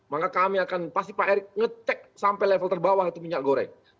maka kami akan pasti pak erick ngecek sampai level terbawah itu minyak goreng